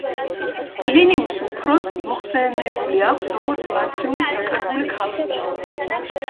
პლინიუს უფროსს მოხსენებული აქვს როგორც ლაციუმის დაკარგული ქალაქი.